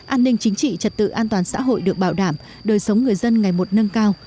an ninh chính trị trật tự an toàn xã hội được bảo đảm đời sống người dân ngày một nâng cao